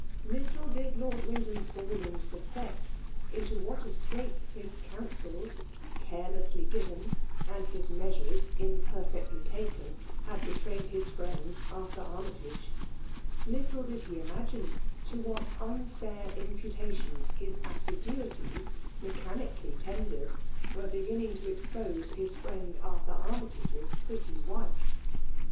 Little did Lord Wyndham Spalding suspect into what a scrape his counsels, carelessly given, and his measures, imperfectly taken, had betrayed his friend Arthur Armytage ;— little did he imagine to what unfair imputa tions his assiduities, mechanically tendered, were beginning to expose his friend Arthur Army tage*s pretty wife.